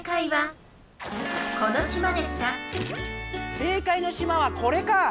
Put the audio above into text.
正解の島はこれか！